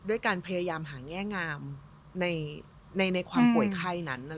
ด้วยการพยายามหาง่ายงามในความป่วยไข่นั้น